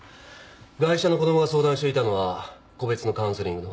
ガイ者の子供が相談していたのは個別のカウンセリングの方。